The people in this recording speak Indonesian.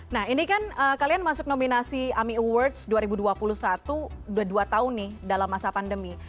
nah ini kan kalian masuk nominasi ami awards dua ribu dua puluh satu udah dua tahun nih dalam masa pandemi